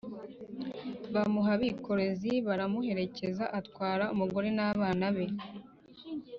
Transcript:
bamuha abikorezi baramuherekeza atwara umugore we n'abana be